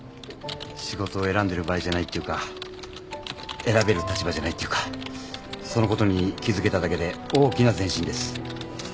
仕事を選んでる場合じゃないっていうか選べる立場じゃないっていうかそのことに気付けただけで大きな前進です。